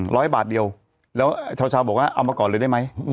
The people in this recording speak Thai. ร้อยบาทเดียวแล้วชาวบอกว่าเอามาก่อนเลยได้ไหม